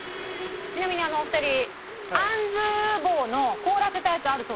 ちなみにお二人あんずボーの凍らせたやつあるそうです。